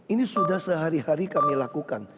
ini sudah sehari hari kami lakukan